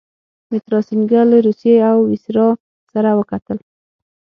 مترا سینګه له روسيې له ویسرا سره وکتل.